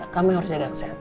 jangan berdua sama orang sehat